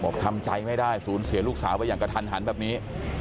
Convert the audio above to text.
ทำใจไม่ได้สูญเสียลูกสาวไปอย่างกระทันหันแบบนี้